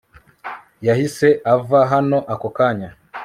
yahise ava hano ako kanya